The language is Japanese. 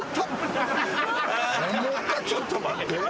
重たっちょっと待って。